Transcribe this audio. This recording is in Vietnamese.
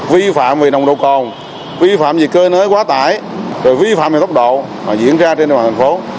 vi phạm vì nồng độ còn vi phạm vì cơ nới quá tải vi phạm vì tốc độ diễn ra trên đoàn thành phố